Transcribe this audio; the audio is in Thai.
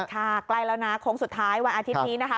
ใกล้แล้วนะโค้งสุดท้ายวันอาทิตย์นี้นะคะ